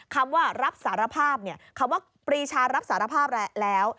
คำว่ารับสารภาพคำว่าปรีชารับสารภาพแล้ว